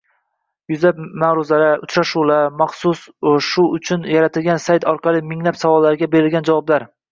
yuzlab ma’ruzalar, uchrashuvlar, maxsus shu uchun yaratilgan sayt orqali minglab savollarga berilgan javoblar...